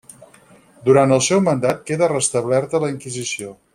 Durant el seu breu mandat queda restablerta la Inquisició.